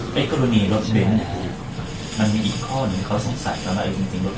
เวตกรณีรถเบ้นมันมีอีกข้อที่เขาสงสัยกับรถเบ้น